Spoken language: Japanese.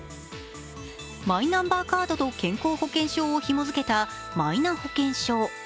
マイナンバーカードと健康保険証をひもづけたマイナ保険証。